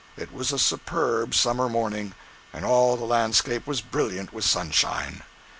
It was a superb summer morning, and all the landscape was brilliant with sunshine.